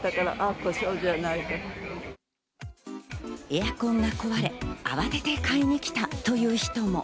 エアコンが壊れ、慌てて買いに来たという人も。